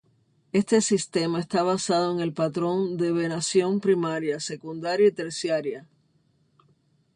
Este sistema está basado en el patrón de venación primaria, secundaria y terciaria.